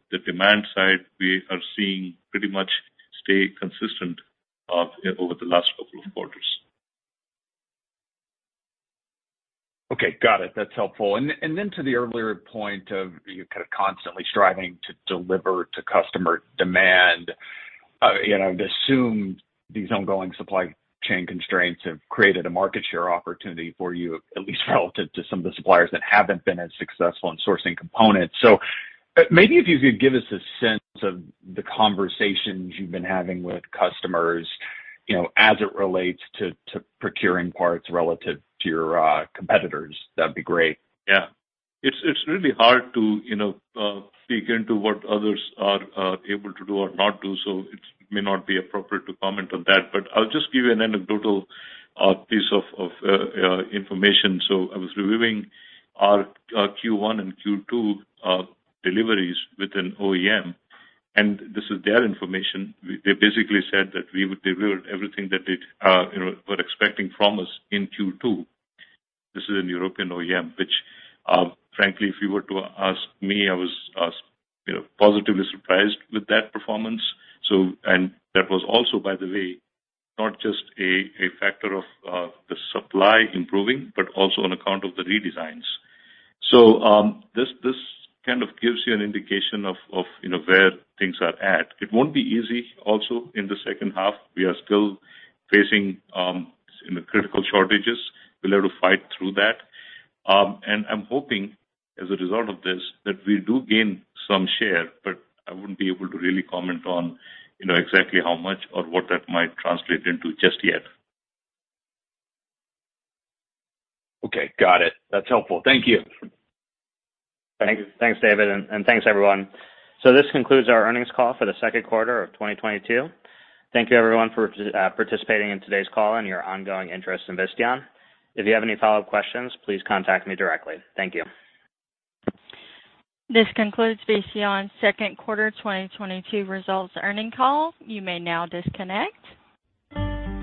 The demand side, we are seeing pretty much stay consistent over the last couple of quarters.
Okay. Got it. That's helpful. To the earlier point of you kind of constantly striving to deliver to customer demand, you know, I'd assume these ongoing supply chain constraints have created a market share opportunity for you, at least relative to some of the suppliers that haven't been as successful in sourcing components. Maybe if you could give us a sense of the conversations you've been having with customers, you know, as it relates to procuring parts relative to your competitors, that'd be great.
Yeah. It's really hard to you know speak into what others are able to do or not do, so it may not be appropriate to comment on that, but I'll just give you an anecdotal piece of information. I was reviewing our Q1 and Q2 deliveries with an OEM, and this is their information. They basically said that we would deliver everything that they you know were expecting from us in Q2. This is a European OEM, which frankly, if you were to ask me, I was you know positively surprised with that performance. And that was also, by the way, not just a factor of the supply improving, but also on account of the redesigns. This kind of gives you an indication of you know where things are at. It won't be easy also in the second half. We are still facing, you know, critical shortages. We'll have to fight through that. I'm hoping as a result of this, that we do gain some share, but I wouldn't be able to really comment on, you know, exactly how much or what that might translate into just yet.
Okay. Got it. That's helpful. Thank you.
Thanks. Thanks, David, and thanks, everyone. This concludes our earnings call for the Q2 of 2022. Thank you everyone for participating in today's call and your ongoing interest in Visteon. If you have any follow-up questions, please contact me directly. Thank you.
This concludes Visteon's Q2 2022 results earnings call. You may now disconnect.